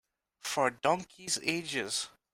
For donkeys' ages.